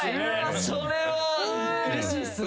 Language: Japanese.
それはうれしいっすね。